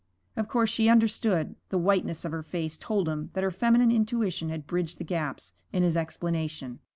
Of course she understood; the whiteness of her face told him that her feminine intuition had bridged the gaps in his explanation.